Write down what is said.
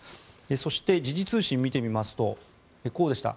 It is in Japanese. そして、時事通信を見てみますとこうでした。